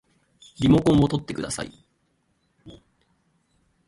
リモコンをとってください